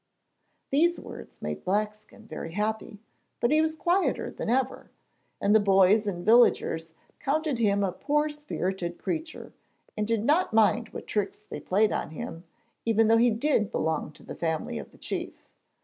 These words made Blackskin very happy, but he was quieter than ever, and the boys and villagers counted him a poor spirited creature, and did not mind what tricks they played on him, even though he did belong to the family of the chief.